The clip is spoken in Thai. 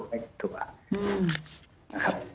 นะครับ